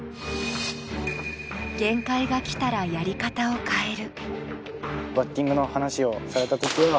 限界がきたらやり方を変える。